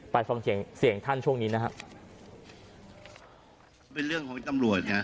ไปฟังเสียงเสียงท่านช่วงนี้นะฮะเป็นเรื่องของพี่ตำรวจไง